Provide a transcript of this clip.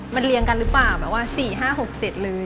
มันเรียงกันหรือเปล่าหมายถึง๔๕๖๗เลย